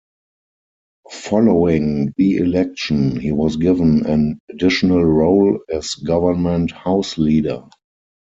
Following the election, he was given an additional role as Government House Leader.